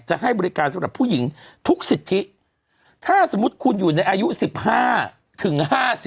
ให้บริการสำหรับผู้หญิงทุกสิทธิถ้าสมมุติคุณอยู่ในอายุ๑๕ถึง๕๐